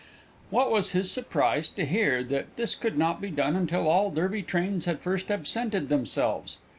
What was his surprise to hear that this could not be done until all Derby trains had first absented themselves!